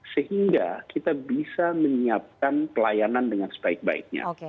sehingga kita bisa menyiapkan pelayanan dengan sebaik baiknya